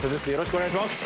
お願いします。